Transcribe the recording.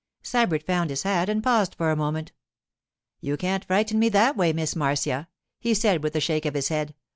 Sybert found his hat and paused for a moment. 'You can't frighten me that way, Miss Marcia,' he said, with a shake of his head.